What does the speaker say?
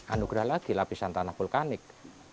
anugerah lagi lapisan tanah vulkanik